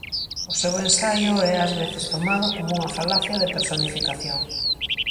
O seu ensaio é ás veces tomado como unha falacia de personificación.